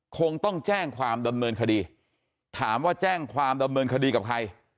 คงต้องแจ้งความดำเนินคดีถามว่าแจ้งความดำเนินคดีกับใคร